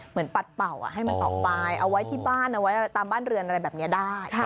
ปัดเป่าให้มันออกไปเอาไว้ที่บ้านเอาไว้ตามบ้านเรือนอะไรแบบนี้ได้